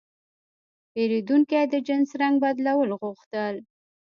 پیرودونکی د جنس رنګ بدلول غوښتل.